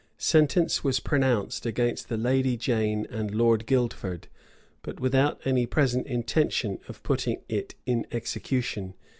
Sentence was pronounced against the lady Jane and Lord Guildford, but without any present intention of putting it in execution.